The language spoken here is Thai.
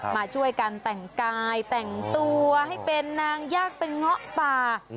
มาช่วยกันแต่งกายแต่งตัวให้เป็นนางยากเป็นเงาะป่า